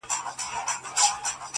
نجلۍ له شرمه ځان پټوي او مقاومت نه کوي-